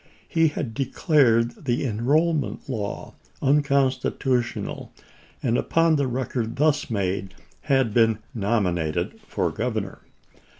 He had declared the enrollment law unconstitutional, and upon 376 ABRAHAM LINCOLN ch. xiii. the record thus made had been nominated for governor.